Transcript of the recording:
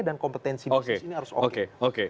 dan kompetensi bisnis ini harus oke